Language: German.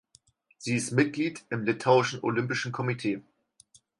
Sie ist Mitglied im litauischen Olympischen Komitee.